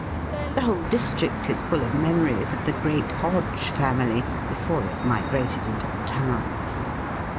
The whole district is full of memories of the great Hodge family (before it migrated into the towns).